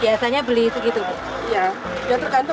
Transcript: biasanya beli segitu bu